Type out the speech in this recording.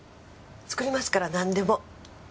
作りますから何でも。